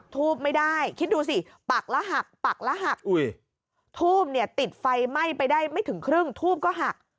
ทูบติดไฟไหม้ไปได้ไม่ถึงครึ่งทูบก็หัก